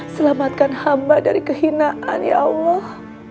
selamatkan hamba dari kehinaan ya allah